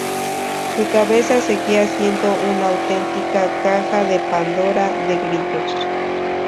su cabeza seguía siendo una auténtica “caja de Pandora de grillos”